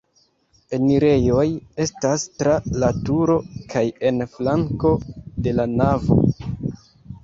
Enirejoj estas tra la turo kaj en flanko de la navo.